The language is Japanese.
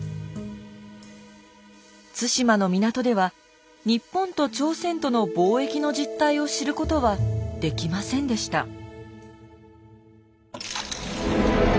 対馬の港では日本と朝鮮との貿易の実態を知ることはできませんでした。